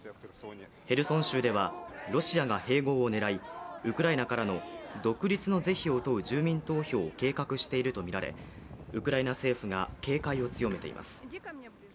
ヘルソン州ではロシアが併合を狙い、ウクライナからの独立の是非を問う住民投票を計画しているとみられウクライナ政府が警戒を強めています。